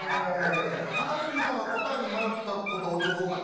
高杉さん答えに迷ったことちょっと多かったですね。